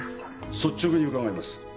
率直に伺います。